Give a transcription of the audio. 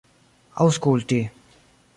aŭskulti